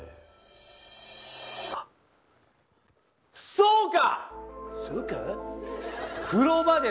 そうか？